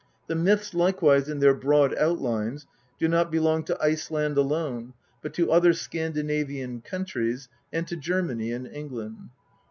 The myths likewise in their broad outlines do not belong to Iceland alone, but to other Scandinavian countries, and to Germany and England.